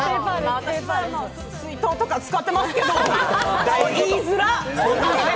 私も水筒とか使ってますけど、いいづらっ！